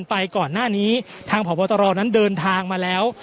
ไปก่อนหน้านี้ทางพบตรนั้นเดินทางมาแล้ว